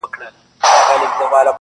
سوځېدل هم بې حکمته بې کماله نه دي یاره,